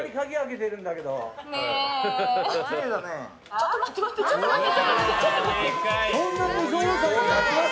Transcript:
ちょっと待ってちょっと待って！